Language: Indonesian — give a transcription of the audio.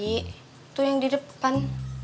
itu yang di depan